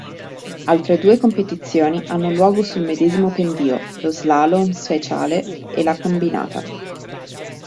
Altre due competizioni hanno luogo sul medesimo pendio: lo slalom speciale e la combinata.